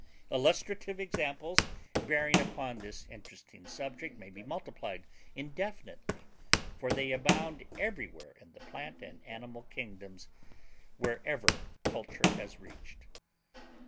Illustrative examples bearing upon this interesting subject may be multiplied indefinitely, for they abound everywhere in the plant and animal kingdoms wherever culture has reached.